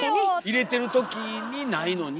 入れてるときにないのに。